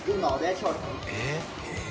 えっ？